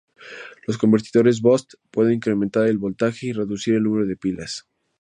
Los convertidores Boost pueden incrementar el voltaje y reducir el número de pilas.